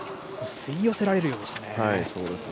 吸い寄せられるようでしたね。